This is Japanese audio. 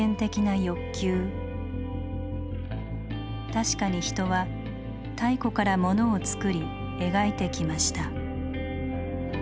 確かに人は太古からものを作り描いてきました。